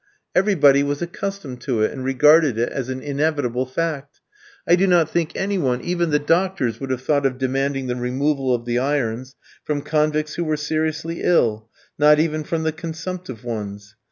Everybody was accustomed to it, and regarded it as an inevitable fact. I do not think any one, even the doctors, would have thought of demanding the removal of the irons from convicts who were seriously ill, not even from the consumptive ones.